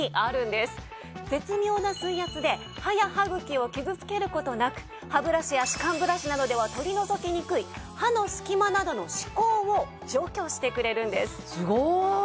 絶妙な水圧で歯や歯茎を傷つける事なく歯ブラシや歯間ブラシなどでは取り除きにくい歯の隙間などの歯垢を除去してくれるんです。